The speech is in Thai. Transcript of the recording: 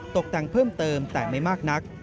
ตกแต่งเพิ่มเติมแต่ไม่มากนัก